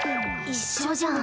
一緒じゃん。